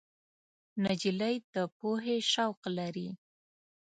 نجلۍ د پوهې شوق لري.